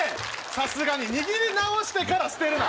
さすがに握り直してから捨てるな！